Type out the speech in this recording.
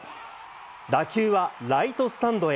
打球はライトスタンドへ。